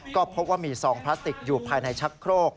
ก็พบว่ามีซองพลาสติกอยู่ภายในชักโครก